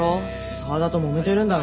沢田ともめてるんだろ？